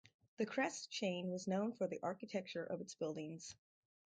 The Kress chain was known for the architecture of its buildings.